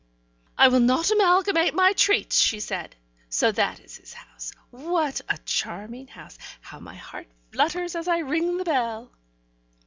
"I will not amalgamate my treats," she said. "So that is his house! What a charming house! How my heart flutters as I ring the bell!"